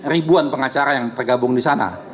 ribuan pengacara yang tergabung di sana